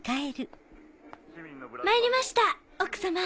まいりました奥様。